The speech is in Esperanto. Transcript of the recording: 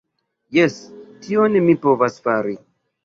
Jes, tion mi povas fari